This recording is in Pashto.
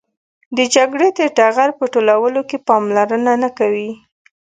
د جګړې د ټغر په ټولولو کې پاملرنه نه کوي.